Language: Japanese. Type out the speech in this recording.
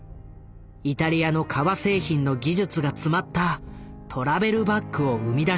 イタリアの革製品の技術が詰まったトラベルバッグを生み出している。